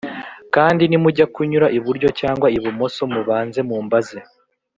kandi nimujya kunyura iburyo cyangwa ibumoso mubanze mumbaze